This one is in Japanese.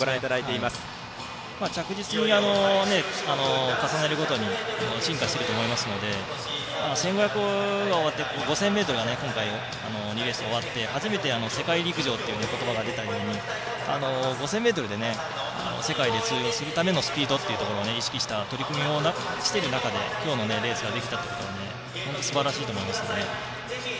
着実に重ねるごとに進化していくと思いますので１５００ｍが終わって５０００ｍと２レース終わって初めて世界陸上という言葉が出たように５０００ｍで世界で通用するためのスピードを意識した取り組みをしている中で今日のレースができたのはすばらしいと思います。